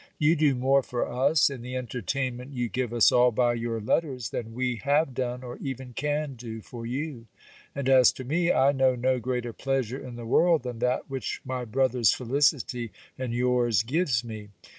You do more for us, in the entertainment you give us all, by your letters, than we have done, or even can do, for you. And as to me, I know no greater pleasure in the world than that which my brother's felicity and yours gives me.